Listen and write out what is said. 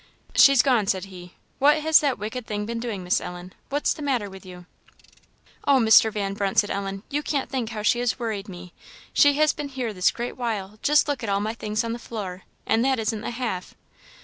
"She's gone," said he. "What has that wicked thing been doing, Miss Ellen? what's the matter with you?" "Oh, Mr. Van Brunt," said Ellen, "you can't think how she has worried me; she has been here this great while; just look at all my things on the floor, and that isn't the half."